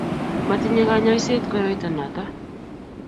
matinye kanyoiset koroito noto